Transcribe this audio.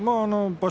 場所